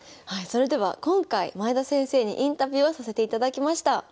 はいそれでは今回前田先生にインタビューをさせていただきました。